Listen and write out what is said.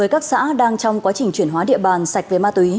với các xã đang trong quá trình chuyển hóa địa bàn sạch về ma tuy